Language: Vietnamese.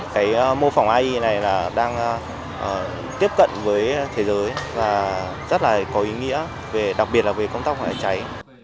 cái mô phỏng ai này là đang tiếp cận với thế giới và rất là có ý nghĩa đặc biệt là về công tác phòng cháy